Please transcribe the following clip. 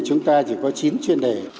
chúng ta chỉ có chín chuyên đề